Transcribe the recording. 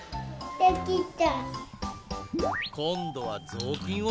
できた！